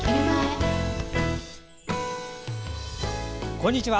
こんにちは。